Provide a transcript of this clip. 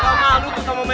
kamu malu tuh sama megan